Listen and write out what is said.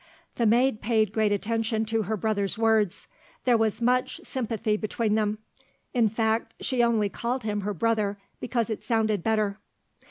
The maid paid great attention to her brother's words. There was much sympathy between them; in fact she only called him her brother because it sounded better.